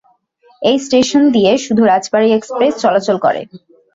এই স্টেশন দিয়ে শুধু রাজবাড়ী এক্সপ্রেস চলাচল করে।